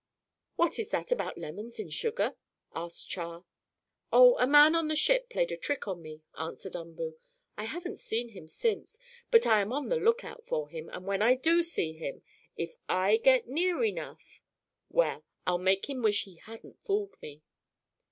"What is that about lemons in sugar?" asked Char. "Oh, a man on the ship played a trick on me," answered Umboo. "I haven't seen him since, but I am on the lookout for him, and when I do see him, if I get near enough well, I'll make him wish he hadn't fooled me."